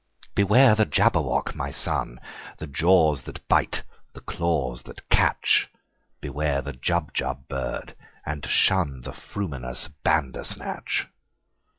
"Beware the Jabberwock, my son! The jaws that bite, the claws that catch! Beware the Jubjub bird, and shunThe frumious Bandersnatch!"